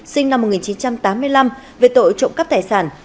sinh năm một nghìn chín trăm tám mươi năm về tội trộm cắp tài sản